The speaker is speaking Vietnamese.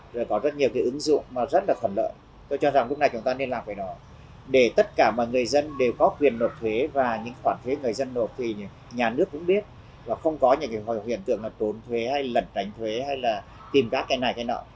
rồi có rất nhiều cái ứng dụng mà rất là khẩn lợi tôi cho rằng lúc này chúng ta nên làm cái đó để tất cả mà người dân đều có quyền nộp thuế và những khoản thuế người dân nộp thì nhà nước cũng biết và không có những cái huyền tượng là trốn thuế hay lẩn tránh thuế hay là tìm các cái này cái nọ